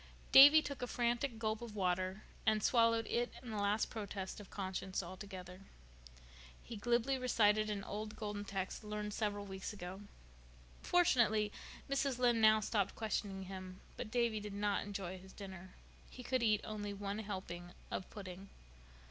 Davy took a frantic gulp of water and swallowed it and the last protest of conscience together. He glibly recited an old Golden Text learned several weeks ago. Fortunately Mrs. Lynde now stopped questioning him; but Davy did not enjoy his dinner. He could only eat one helping of pudding.